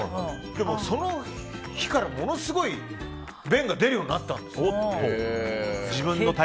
でもその日から、ものすごい便が出るようになったんです。